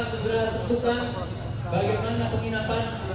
segera tentukan bagaimana penginapan